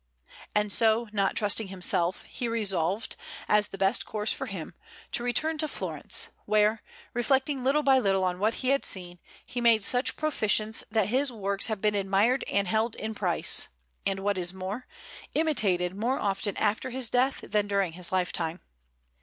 And so, not trusting himself, he resolved, as the best course for him, to return to Florence; where, reflecting little by little on what he had seen, he made such proficience that his works have been admired and held in price, and, what is more, imitated more often after his death than during his lifetime.